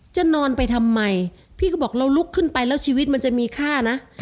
จะนอนไปทำไมพี่ก็บอกเราลุกขึ้นไปแล้วชีวิตมันจะมีค่านะ